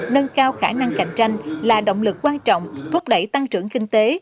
nâng cao khả năng cạnh tranh là động lực quan trọng thúc đẩy tăng trưởng kinh tế